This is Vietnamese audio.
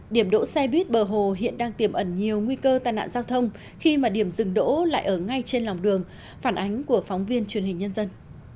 điểm đỗ xe buýt bờ hồ hiện đang tiềm ẩn nhiều nguy cơ tai nạn giao thông khi mà điểm dừng đỗ lại ở ngay trên lòng đường phản ánh của phóng viên truyền hình nhân dân